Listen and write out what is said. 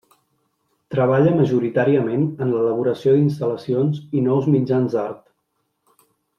Treballa majoritàriament en l'elaboració d'instal·lacions i nous mitjans d'art.